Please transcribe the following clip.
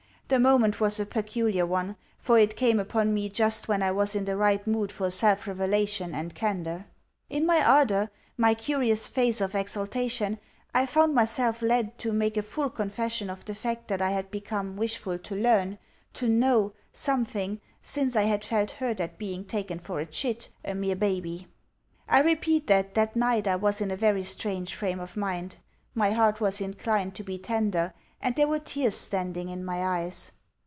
The moment was a peculiar one, for it came upon me just when I was in the right mood for self revelation and candour. In my ardour, my curious phase of exaltation, I found myself led to make a full confession of the fact that I had become wishful to learn, to KNOW, something, since I had felt hurt at being taken for a chit, a mere baby.... I repeat that that night I was in a very strange frame of mind. My heart was inclined to be tender, and there were tears standing in my eyes.